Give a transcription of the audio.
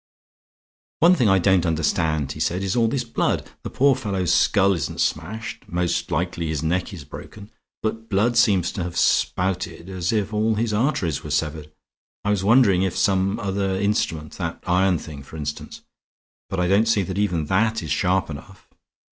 "One thing I don't understand," he said, "is all this blood. The poor fellow's skull isn't smashed; most likely his neck is broken; but blood seems to have spouted as if all his arteries were severed. I was wondering if some other instrument ... that iron thing, for instance; but I don't see that even that is sharp enough.